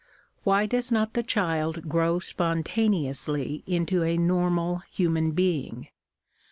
Why does not the child grow spontaneously into a normal human being